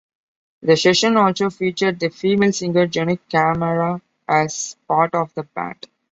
The session also featured the female singer Jenne Camara as part of the band.